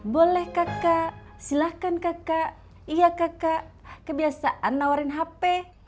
boleh kakak silahkan kakak iya kakak kebiasaan nawarin hp